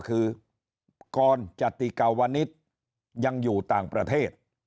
คือกรจติกาวนิษฐ์ยังอยู่ต่างประเทศ